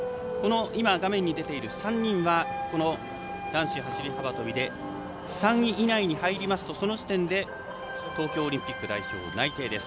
画面に出ている３人が男子走り幅跳びで３位以内に入りますとその時点で東京オリンピック代表に内定です。